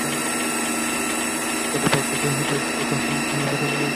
হলফনামা আকারে প্রার্থীদের ব্যক্তিগত তথ্য প্রকাশের ব্যাপারে সর্বোচ্চ আদালতের সুস্পষ্ট নির্দেশনা আছে।